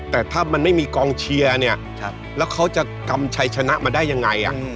แต่ถ้ามันไม่มีกองเชียร์เนี่ยแล้วเขาจะกำชัยชนะมาได้ยังไง